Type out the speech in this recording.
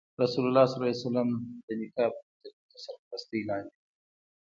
رسول الله ﷺ د نیکه عبدالمطلب تر سرپرستۍ لاندې و.